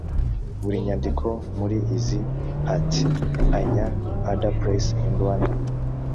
buri nyandiko muri izi at any other place in Rwanda